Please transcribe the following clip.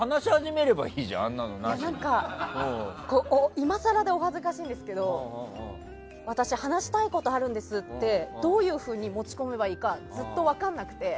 今更でお恥ずかしいんですが私、話したいことあるんですってどういうふうに持ち込めばいいかずっと分からなくて。